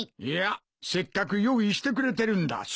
いやせっかく用意してくれてるんだ。